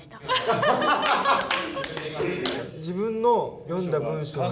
自分の読んだ文章に？